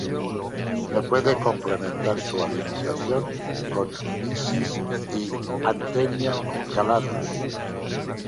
Se puede complementar su alimentación con mysis y artemia congelados.